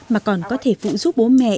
mà còn có thể phụ giúp bố mẹ